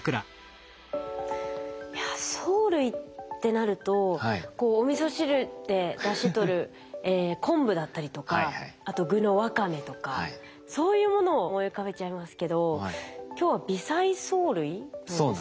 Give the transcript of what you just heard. いや藻類ってなるとおみそ汁でだし取る昆布だったりとかあと具のワカメとかそういうものを思い浮かべちゃいますけど今日は微細藻類なんですね。